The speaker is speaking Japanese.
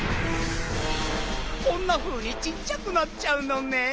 こんなふうにちっちゃくなっちゃうのねん。